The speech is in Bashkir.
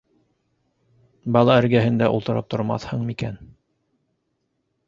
Бала эргәһендә ултырып тормаҫһың микән?